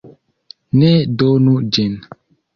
Ne donu ĝin!